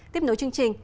tiếp nối chương trình